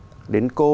đến cô đến nhà cô